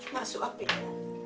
masuk api ya